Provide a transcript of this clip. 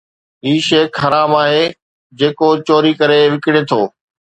هي شيخ حرام آهي جيڪو چوري ڪري وڪڻي ٿو